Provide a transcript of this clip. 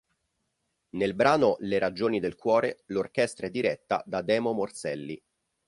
Nel brano "Le ragioni del cuore", l'orchestra è diretta da Demo Morselli.